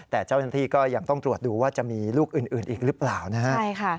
แต่เจ้าหน้าที่ก็ยังต้องตรวจดูว่าจะมีลูกอื่นอีกหรือเปล่านะฮะ